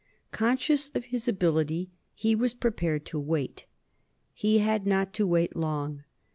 Conscious of his ability, he was prepared to wait. He had not to wait long.